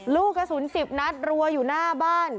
ลูกกระสุน๑๐นัดรัวอยู่หน้าบ้าน